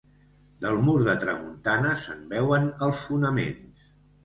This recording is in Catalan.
Del mur de tramuntana se'n veuen els fonaments.